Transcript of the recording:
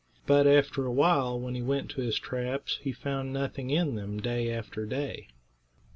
But after a while, when he went to his traps he found nothing in them day after day.